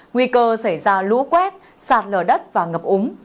nguy cơ xảy ra lũ quét sạt lở đất và ngập úng